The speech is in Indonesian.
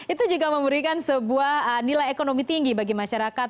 itu juga memberikan sebuah nilai ekonomi tinggi bagi masyarakat